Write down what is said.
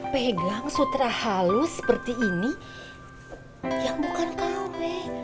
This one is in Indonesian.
pegang sutra halus seperti ini yang bukan kau be